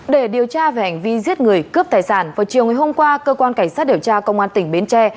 để điều tra về hành vi giết người cướp tài sản vào chiều ngày hôm qua cơ quan cảnh sát điều tra công an tỉnh bến tre